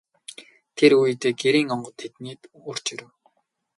Энэ үед Гэрийн онгон тэднийд орж ирэв.